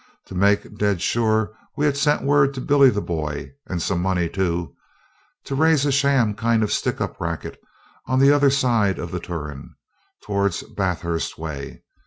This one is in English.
To make dead sure, we had sent word to Billy the Boy (and some money too) to raise a sham kind of sticking up racket on the other side of the Turon, towards Bathurst way.